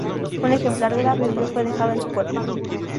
Un ejemplar de la Biblia fue dejado en su cuerpo.